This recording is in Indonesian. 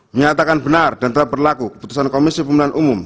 menyatakan benar dan telah berlaku keputusan komisi pemilihan umum